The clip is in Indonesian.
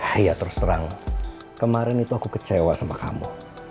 iya terus terang kemarin itu aku kecewa sama kamu